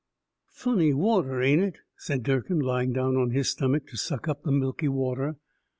"Funny water, ain't it?" said Durkin, lying down on his stomach to suck up the milky water.